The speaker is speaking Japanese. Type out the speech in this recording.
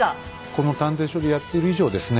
この探偵所でやってる以上ですね